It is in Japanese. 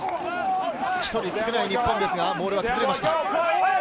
１人少ない日本ですがモールが崩れました。